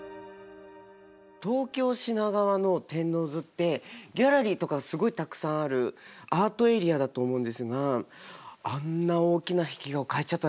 東京・品川の天王洲ってギャラリーとかすごいたくさんあるアートエリアだと思うんですがあんな大きな壁画を描いちゃったんですね！